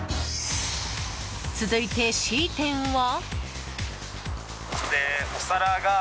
続いてＣ店は？